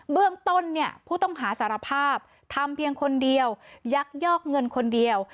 เบื้องต้นเนี่ยผู้ต้องหาสารภาพทำเพียงคนเดียวยักยอกเงินคนเดียว